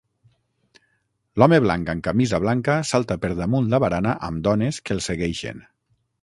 L'home blanc amb camisa blanca salta per damunt la barana amb dones que el segueixen.